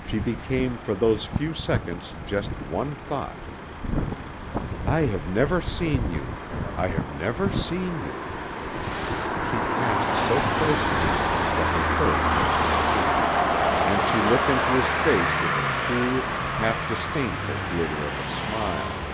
She became for those few seconds just one thought "I have never seen you. I have never seen you." She passed so close to him that her fur touched his hand, and she looked into his face with a cool, half disdainful glitter of a smile.